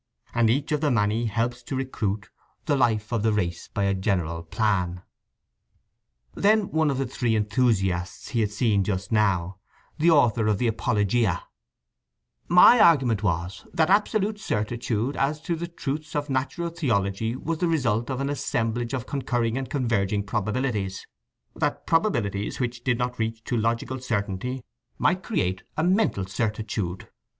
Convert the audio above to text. And each of the Many helps to recruit The life of the race by a general plan. Then one of the three enthusiasts he had seen just now, the author of the Apologia: "My argument was … that absolute certitude as to the truths of natural theology was the result of an assemblage of concurring and converging probabilities … that probabilities which did not reach to logical certainty might create a mental certitude."